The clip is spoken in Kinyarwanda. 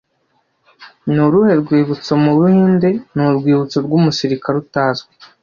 Ni uruhe rwibutso mu Buhinde ni urwibutso rw'umusirikare utazwi